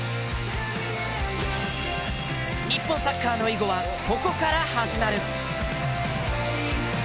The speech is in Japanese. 日本サッカーの以後はここから始まる。